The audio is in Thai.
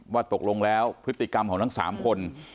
ว่าตกลงแล้วพฤติกรรมของทั้ง๓คน